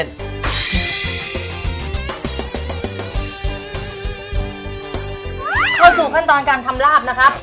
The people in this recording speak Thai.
เข้าสู่ขั้นตอนการทำลาบนะครับ